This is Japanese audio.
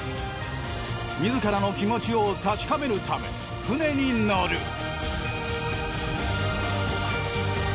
自らの気持ちを確かめるため船に乗る。